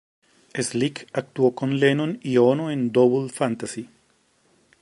Slick actuó con Lennon y Ono en Double Fantasy.